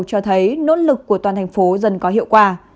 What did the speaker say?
cho thấy nỗ lực của toàn thành phố dần có hiệu quả